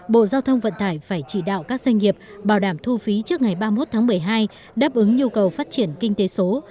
bộ giao thông vận tải phải chỉ đạo các doanh nghiệp bảo đảm thu phí trước ngày ba mươi một tháng một mươi hai đáp ứng nhu cầu phát triển kinh tế số